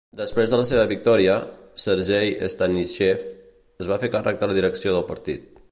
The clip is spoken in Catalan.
Després de la seva victòria, Sergei Stanishev es va fer càrrec de la direcció del partit.